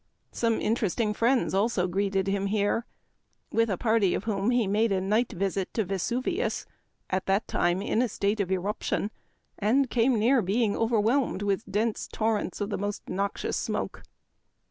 Some interesting friends also greeted him here, with a party of whom he made a night visit to Vesuvius, at that time in a state of eruption, and came near being over whelmed with " dense torrents of the most nox ious smoke."